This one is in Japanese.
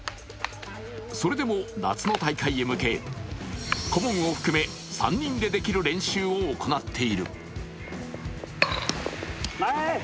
それでも夏の大会へ向け顧問を含め３人でできる練習を行っている。